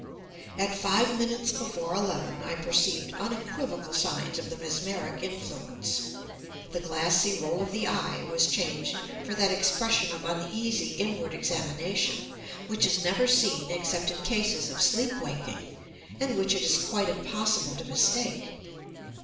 At five minutes before eleven I perceived unequivocal signs of the mesmeric influence. The glassy roll of the eye was changed for that expression of uneasy inward examination which is never seen except in cases of sleep waking, and which it is quite impossible to mistake.